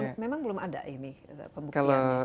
ini memang belum ada ini pembukanya